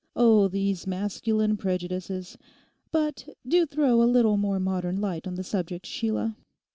Oh, these masculine prejudices! But do throw a little more modern light on the subject, Sheila.